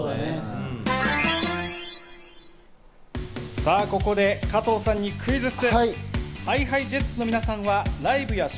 さぁ、ここで加藤さんにクイズッス。